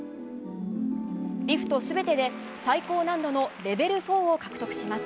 リフト全てで最高難度のレベル４を獲得します。